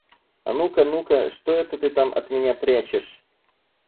А ну-ка, ну-ка, что это ты там от меня прячешь?